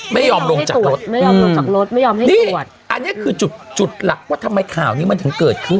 ไม่ยอมลงจากรถไม่ยอมลงจากรถไม่ยอมให้นี่อันนี้คือจุดจุดหลักว่าทำไมข่าวนี้มันถึงเกิดขึ้น